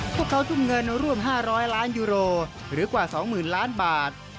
พวกเขาทุ่มเงินร่วม๕๐๐ล้านยูโรหรือกว่า๒๐๐๐ล้านบาท